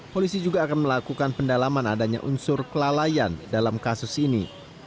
polisi juga akan melakukan pendalaman adanya unsur kelalaian dalam kasus ini